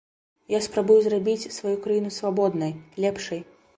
Я спрабую зрабіць сваю краіну свабоднай, лепшай.